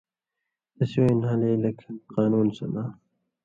تسی وَیں نھالے لیکھ قانونہ سن٘داں۔